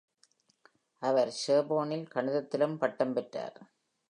அவர், Sorbonne-ல் கணிதத்திலும் பட்டம் பெற்றார்.